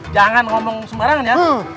jangan ngomong sembarangan ya